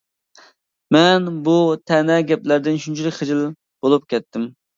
مەن بۇ تەنە گەپلەردىن شۇنچىلىك خىجىل بولۇپ كەتتىم.